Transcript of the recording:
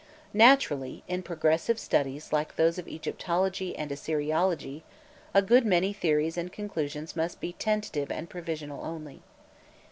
Naturally, in progressive studies like those of Egyptology and Assyriology, a good many theories and conclusions must be tentative and provisional only.